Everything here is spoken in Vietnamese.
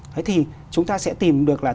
thế thì chúng ta sẽ tìm được là